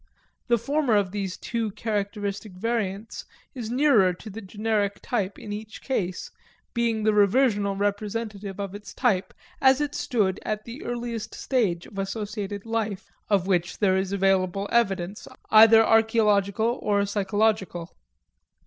The former of these two characteristic variants is nearer to the generic type in each case, being the reversional representative of its type as it stood at the earliest stage of associated life of which there is available evidence, either archaeological or psychological.